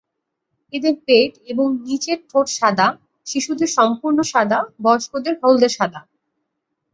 এদের পেট এবং নীচের ঠোঁট সাদা, শিশুদের সম্পূর্ণ সাদা, বয়স্কদের হলদে সাদা।